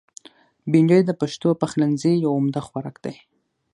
بېنډۍ د پښتو پخلنځي یو عمده خوراک دی